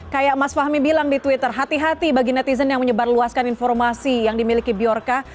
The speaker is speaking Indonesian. kayak mas fahmi bilang di twitter hati hati bagi netizen yang menyebarluaskan informasi yang dimiliki bjorka